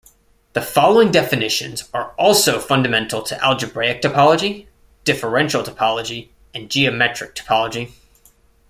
The following definitions are also fundamental to algebraic topology, differential topology and geometric topology.